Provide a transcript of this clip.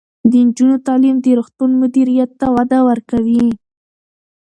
د نجونو تعلیم د روغتون مدیریت ته وده ورکوي.